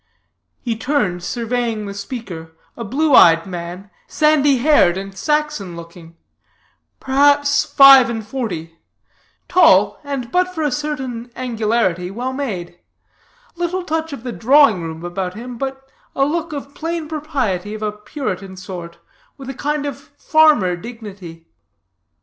He turned, surveying the speaker; a blue eyed man, sandy haired, and Saxon looking; perhaps five and forty; tall, and, but for a certain angularity, well made; little touch of the drawing room about him, but a look of plain propriety of a Puritan sort, with a kind of farmer dignity.